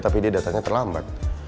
tapi dia datangnya terlambat